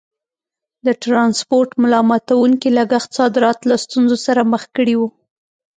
د ټرانسپورټ ملا ماتوونکي لګښت صادرات له ستونزو سره مخ کړي وو.